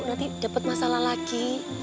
nanti dapet masalah lagi